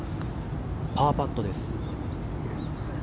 パーパットです。